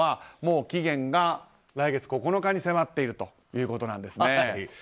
もう期限が来月９日に迫っているということなんです。